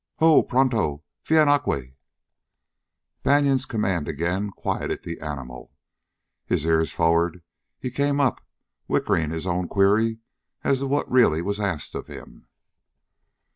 "Ho! Pronto Vien aqui!" Banion's command again quieted the animal. His ears forward, he came up, whickering his own query as to what really was asked of him.